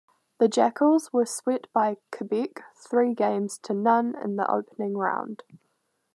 The Jackals were swept by Quebec three games to none in the opening round.